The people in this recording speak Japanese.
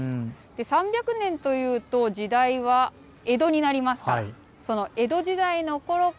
３００年というと時代は、江戸になりますか。